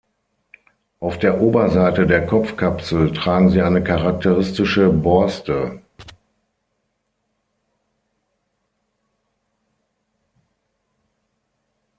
Auf der Oberseite der Kopfkapsel tragen sie eine charakteristische Borste.